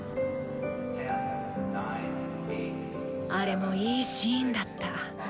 あれもいいシーンだった。